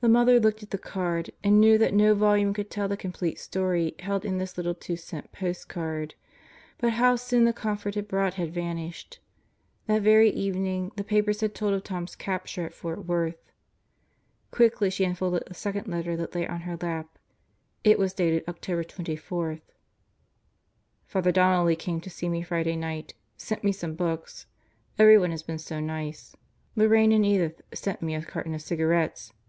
The mother looked at the card and knew that no volume could tell the complete story held in this little two cent post card. But how soon the comfort it brought had vanished. That very evening the papers had told of Tom's capture at Fort Worth. Quickly she unfolded the second letter that lay on her lap. It was dated October 24. Father Donnelly came to see me Friday night. Sent me some books. Everyone has been so nice. Lorraine and Edith sent me a carton of cigarettes.